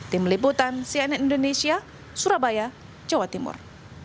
tim liputan cnn indonesia surabaya jawa timur